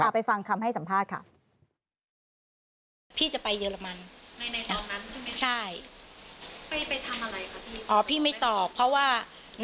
ไปฟังคำให้สัมภาษณ์ค่ะ